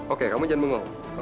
oke kamu jangan bengong